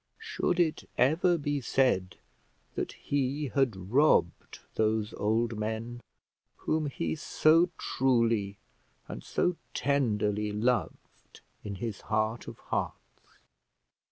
Should it ever be said that he had robbed those old men, whom he so truly and so tenderly loved in his heart of hearts?